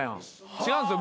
違うんですよ